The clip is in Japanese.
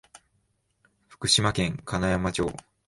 福島県金山町